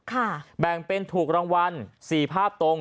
ก็ถือว่าถูกเหมือนกัน